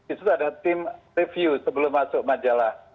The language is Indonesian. itu ada tim review sebelum masuk majalah